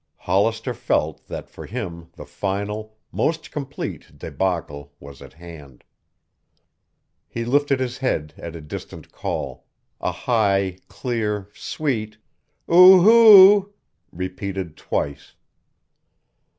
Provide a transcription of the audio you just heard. Hollister felt that for him the final, most complete débacle was at hand. He lifted his head at a distant call, a high, clear, sweet "Oh hoo oo oo" repeated twice.